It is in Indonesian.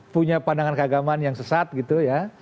punya pandangan keagamaan yang sesat gitu ya